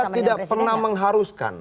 kita tidak pernah mengharuskan